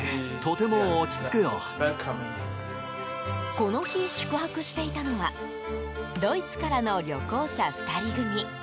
この日、宿泊していたのはドイツからの旅行者２人組。